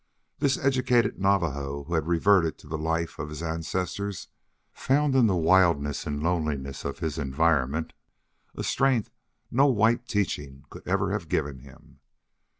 This educated Navajo, who had reverted to the life of his ancestors, found in the wildness and loneliness of his environment a strength no white teaching could ever have given him.